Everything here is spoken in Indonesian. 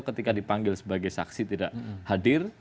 ketika dipanggil sebagai saksi tidak hadir